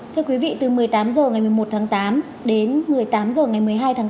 thưa quý vị từ một mươi tám h ngày một mươi một tháng tám đến một mươi tám h ngày một mươi hai tháng tám